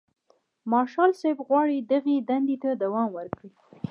مارشال صاحب غواړي دغې دندې ته دوام ورکړي.